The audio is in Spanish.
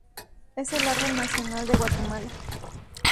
Es el árbol nacional de Guatemala.